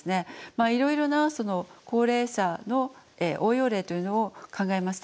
いろいろな高齢者の応用例というのを考えました。